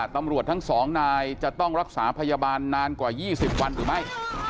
ตำรวจทั้งสองนายจะต้องรักษาพยาบาลนานกว่า๒๐วันหรือไม่